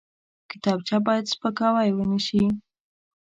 کتابچه باید سپکاوی ونه شي